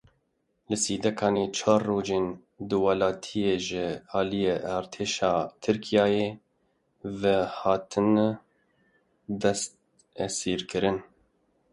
Li Sîdekanê çar roj in du welatî ji aliyê artêşa Tirkiyeyê ve hatine desteserkirin.